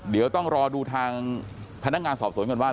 เดี๋ยวต้องรอดูทางพนักงานสอบสวนก่อนว่า